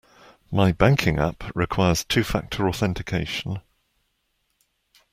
My banking app requires two factor authentication.